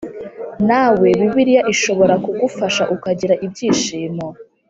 Nawe Bibiliya ishobora kugufasha ukagira ibyishimo